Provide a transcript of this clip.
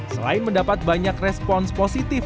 selain mendapat banyak respons positif